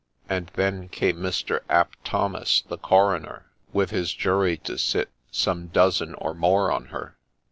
And then came Mr. Ap Thomas, the Coroner, With his jury to sit, some dozen or more, on her.